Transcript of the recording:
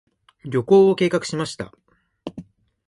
旅行を計画しました。